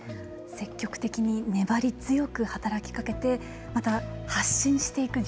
積極的に粘り強く働きかけてまた発信していく重要性。